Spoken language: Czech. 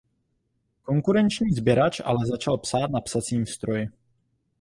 Konkurenční "Sběrač" ale začal psát na psacím stroji.